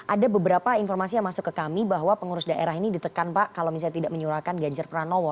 ada beberapa informasi yang masuk ke kami bahwa pengurus daerah ini ditekan pak kalau misalnya tidak menyurahkan ganjar pranowo